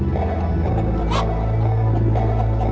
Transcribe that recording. kau yang selalu memusahi ayahku